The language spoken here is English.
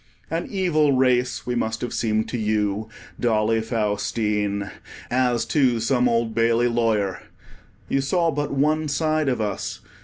An evil race we must have seemed to you, Dolly Faustine, as to some Old Bailey lawyer. You saw but one side of us.